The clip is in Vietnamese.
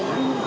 và các bạn nhí